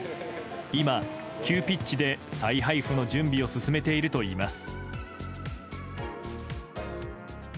今、急ピッチで再配布の準備を進めているといいます。